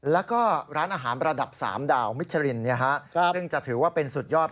แล้วก็ร้านอาหารระดับ๓ดาวมิชรินซึ่งจะถือว่าเป็นสุดยอด